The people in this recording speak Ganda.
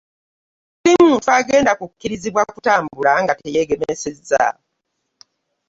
Teri muntu agenda kukkirizibwa kutambula nga teyeegemesezza.